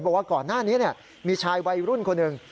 บอกว่าก่อนหน้านี้มีชายวัยรุ่นคนหนึ่ง